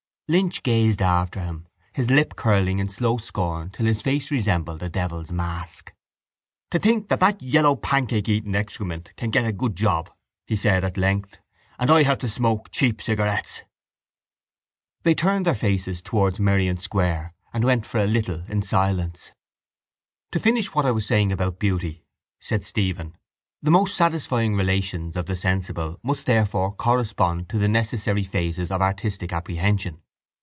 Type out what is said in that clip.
Lynch gazed after him, his lip curling in slow scorn till his face resembled a devil's mask: —To think that that yellow pancake eating excrement can get a good job, he said at length, and I have to smoke cheap cigarettes! They turned their faces towards Merrion Square and went for a little in silence. —To finish what I was saying about beauty, said Stephen, the most satisfying relations of the sensible must therefore correspond to the necessary phases of artistic apprehension.